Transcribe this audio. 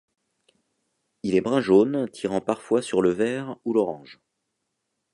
Il est brun-jaune, tirant parfois sur le vert ou l'orange.